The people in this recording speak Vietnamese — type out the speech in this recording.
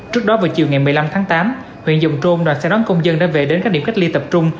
trước đó vào chiều ngày một mươi năm tháng tám huyện dòng trôm đoàn xe đón công dân đã về đến các điểm cách ly tập trung